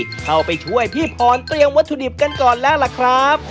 เข้าไปช่วยพี่พรเตรียมวัตถุดิบกันก่อนแล้วล่ะครับ